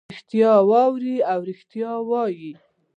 ریښتیا واوري او ریښتیا ووایي.